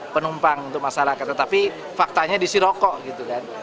penumpang untuk masyarakat tetapi faktanya disi rokok gitu kan